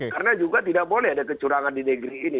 karena juga tidak boleh ada kecurangan di negeri ini